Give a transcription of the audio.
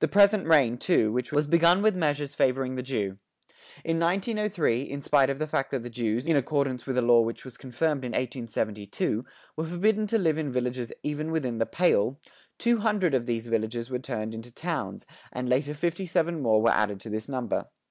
The present reign, too, was begun with measures favoring the Jew. In 1903, in spite of the fact that the Jews, in accordance with a law which was confirmed in 1872, were forbidden to live in villages even within the "Pale," two hundred of these villages were turned into towns, and later fifty seven more were added to this number.